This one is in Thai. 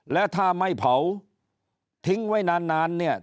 และถ้าไม่เผาทิ้งไว้นานเนี่ย